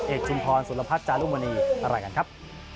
เอกจุมพรสุรพัชย์จารุมณีอร่อยกันครับ